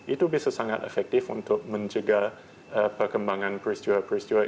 itu bisa sangat efektif untuk mencegah perkembangan peristiwa peristiwa